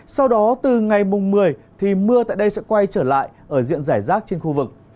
sau đó từ ngày mùng một mươi thì mưa tại đây sẽ quay trở lại ở diện giải rác trên khu vực